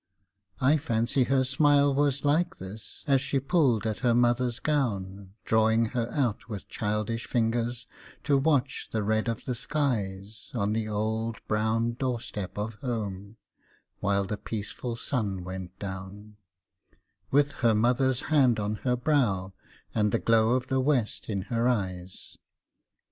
I fancy her smile was like this, as she pulled at her mother's gown Drawing her out with childish fingers to watch the red of the skies On the old brown doorstep of home, while the peaceful sun went down, With her mother's hand on her brow, and the glow of the west in her eyes.